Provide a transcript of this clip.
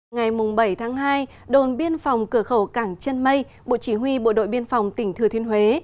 ngày bảy tháng hai đồn biên phòng cửa khẩu cảng chân mây bộ chỉ huy bộ đội biên phòng tỉnh thừa thiên huế